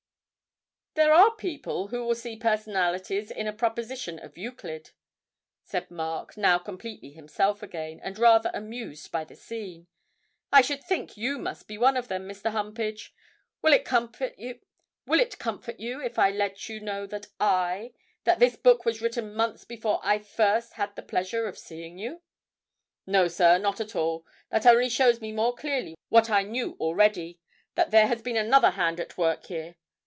'There are people who will see personalities in a proposition of Euclid,' said Mark, now completely himself again, and rather amused by the scene; 'I should think you must be one of them, Mr. Humpage. Will it comfort you if I let you know that I that this book was written months before I first had the pleasure of seeing you.' 'No, sir, not at all. That only shows me more clearly what I knew already. That there has been another hand at work here.